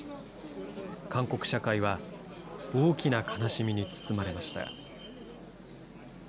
韓国社会は大きな悲しみに包まれました。